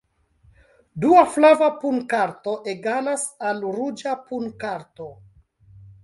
Dua flava punkarto egalas al ruĝa punkarto.